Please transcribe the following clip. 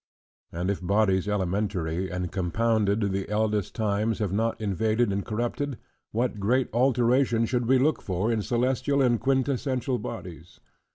And if bodies elementary, and compounded, the eldest times have not invaded and corrupted: what great alteration should we look for in celestial and quint essential bodies?